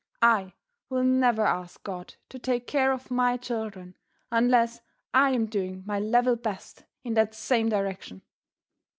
I will never ask God to take care of my children unless I am doing my level best in that same direction.